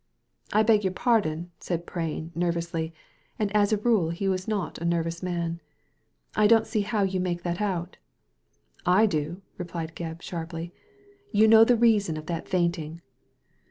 " I beg your pardon/* said Prain, nervously — ^and as a rule he was not a nervous man, I don't see how you make that out'* "I do!" replied Gebb, sharply. "You know the reason of that fainting.